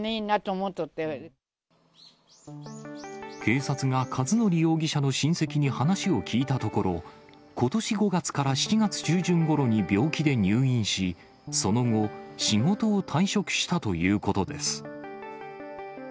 警察が一則容疑者の親戚に話を聞いたところ、ことし５月から７月中旬ごろに病気で入院し、その後、仕事を退職したということです。